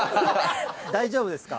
大丈夫ですか？